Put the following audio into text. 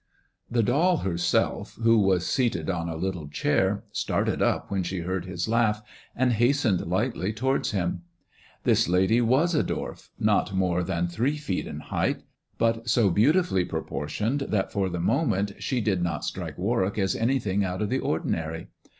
The doll herself, who was seated on a little chair, started up when she heard his laugh, and hastened lightly towards him , This lady was a dwarf, not more than three feet in height, but BO beautifully proportioned that for tlie moment she did not strike Warwick as anything a\it of the ordinary.